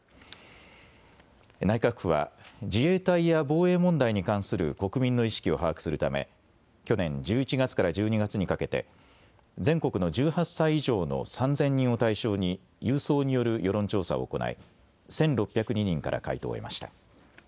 内閣府は自衛隊や防衛問題に関する国民の意識を把握するため去年１１月から１２月にかけて全国の１８歳以上の３０００人を対象に郵送による世論調査を行い１６０２人から回答を得ました。